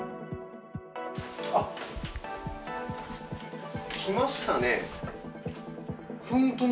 あっ、来ましたね。